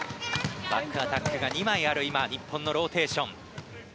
バックアタックが２枚ある今の日本のローテーション。